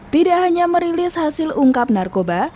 tidak hanya merilis hasil ungkap narkoba